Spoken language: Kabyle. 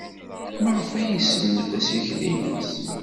Maɣef ay isemmet assikel-nnes?